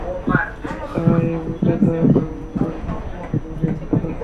তারা এই মুহূর্তে তোর বাড়িতে একটা হট ভিডিও শ্যুট করেছে।